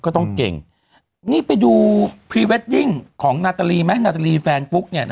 ก็ต้องเก่งนี่ไปดูพรีเวดดิ้งของนาตาลีไหมนาตาลีแฟนปุ๊กเนี่ย